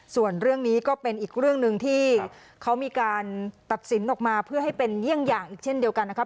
ส่วนเรื่องนี้ก็เป็นอีกเรื่องหนึ่งที่เขามีการตัดสินออกมาเพื่อให้เป็นเยี่ยงอย่างอีกเช่นเดียวกันนะครับ